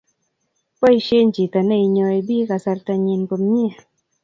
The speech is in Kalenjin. Boishei chito neinyoi biik kasarta nyi komnyei